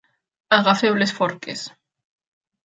Agafeu les forques!